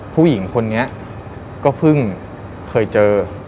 ผู้หญิงคนนี้ก็เพิ่งเคยเจอ